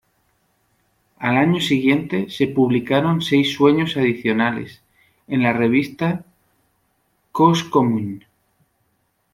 Al año siguiente se publicaron seis sueños adicionales en la revista "Cause commune".